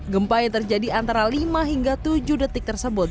gempa yang terjadi antara lima hingga tujuh detik tersebut